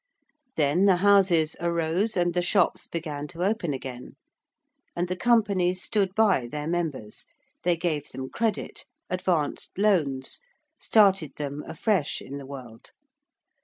Then the houses arose and the shops began to open again. And the Companies stood by their members: they gave them credit: advanced loans: started them afresh in the world.